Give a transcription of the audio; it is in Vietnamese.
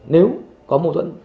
nếu có mâu thuẫn